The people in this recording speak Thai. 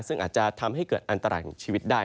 ซึ่งอาจจะทำให้เกิดอันตรายชีวิตได้